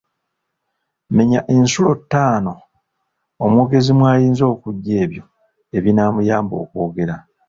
Menya ensulo ttaano omwogezi mw’ayinza okuggya ebyo ebinaamuyamba okwogera.